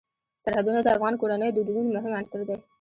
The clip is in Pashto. سرحدونه د افغان کورنیو د دودونو مهم عنصر دی.